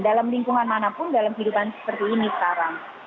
dalam lingkungan manapun dalam kehidupan seperti ini sekarang